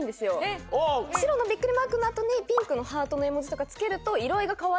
白のビックリマークの後にピンクのハートの絵文字とか付けると。